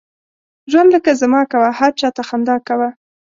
ژوند لکه زما کوه، هر چاته خندا کوه.